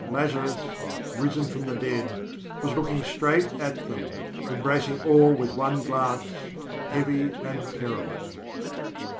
Lazarus, risen from the dead, was looking straight at them, embracing all with one glance, heavy and terrible.